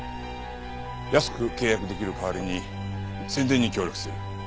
安く契約できる代わりに宣伝に協力する。